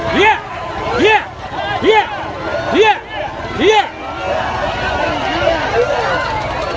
เฮียเฮียเฮีย